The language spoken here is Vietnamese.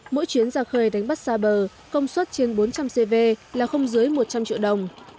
mỗi chuyến ra khơi đánh bắt xa bờ công suất trên bốn trăm linh cv là không dưới một trăm linh triệu đồng